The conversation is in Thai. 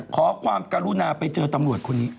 ขอความกรุณาไปเจอตำรวจคนนี้